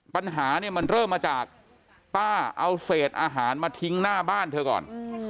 ปัญหาเนี่ยมันเริ่มมาจากป้าเอาเศษอาหารมาทิ้งหน้าบ้านเธอก่อน